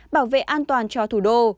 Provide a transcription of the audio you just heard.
bảo vệ an toàn cho thủ đô